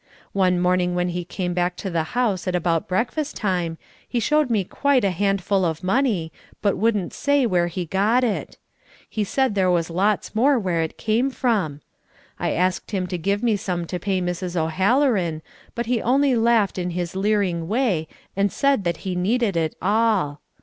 One morning when he came back to the house at about breakfast time he showed me quite a handful of money, but wouldn't say where he got it. He said there was lots more where it came from. I asked him to give me some to pay Mrs. O'Halloran, but he only laughed in his leering way and said that he needed it all.